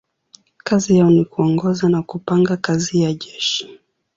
Kazi yao ni kuongoza na kupanga kazi ya jeshi.